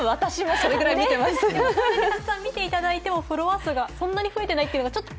そんなにたくさん見ていただいても、フォロワー数がそんなに増えていないというのがちょっと。